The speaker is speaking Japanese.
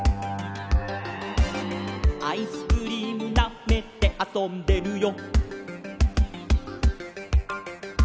「アイスクリームなめてあそんでるよ」